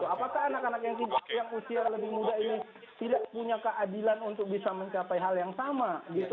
apakah anak anak yang usia lebih muda ini tidak punya keadilan untuk bisa mencapai hal yang sama gitu